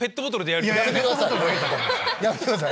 やめてください！